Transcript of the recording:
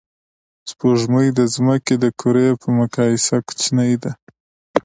سپوږمۍ د ځمکې د کُرې په مقایسه کوچنۍ ده